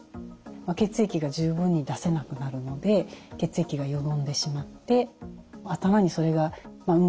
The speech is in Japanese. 血液が十分に出せなくなるので血液がよどんでしまって頭にそれが運